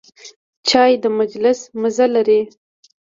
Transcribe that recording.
چای د مجلس مزه لري.